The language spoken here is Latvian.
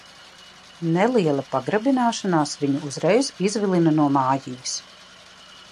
Neliela pagrabināšanās viņu uzreiz izvilina no mājiņas.